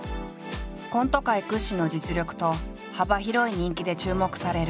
コント界屈指の実力と幅広い人気で注目される